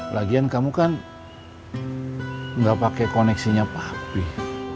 lagian kamu kan gak pake koneksinya papih